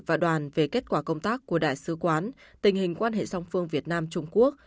và đoàn về kết quả công tác của đại sứ quán tình hình quan hệ song phương việt nam trung quốc